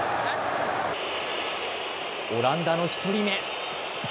オランダの１人目。